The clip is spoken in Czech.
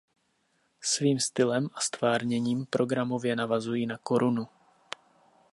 Svým stylem a ztvárněním programově navazují na korunu.